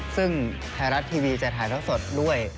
ซึ่งไทยรัฐทีวีจะถ่ายเท่าสดด้วย